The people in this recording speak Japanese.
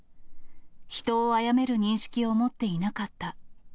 人をあやめる認識を持っていなかった。